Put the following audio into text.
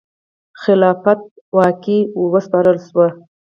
خلافت واګې وروسپارل شوې.